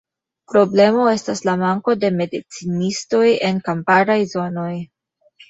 Problemo estas la manko de medicinistoj en kamparaj zonoj.